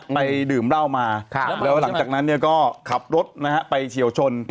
ไปดื่มเล่ามาแล้วหลังจากนั้นเนี่ยก็ขับรถนะฮะไปเฉลชน